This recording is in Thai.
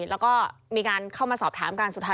แล้วก็มีการเข้ามาสอบถามกันสุดท้าย